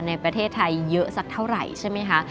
ในประเทศไทยเยอะสักเท่าไหร่ใช่ไหมคะ